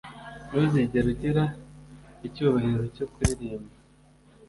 ntuzigere ugira icyubahiro cyo kuririmba